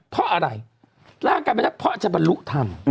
เพราะอะไรร่างกลายเป็นพระอาจารย์บรรลุธรรม